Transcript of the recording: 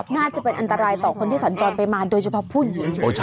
น่าจะเป็นอันตรายต่อคนที่สัญจรไปมาโดยเฉพาะผู้หญิง